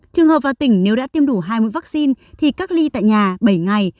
trường hợp vào tỉnh nếu đã tiêm đủ hai mươi vaccine thì cách ly tại nhà bảy ngày